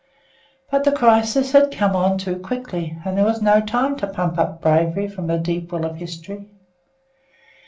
But the crisis had come on too quickly, and there was no time to pump up bravery from the deep well of history.